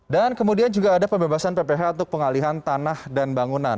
dan kemudian juga ada pembebasan pph untuk pengalihan tanah dan bangunan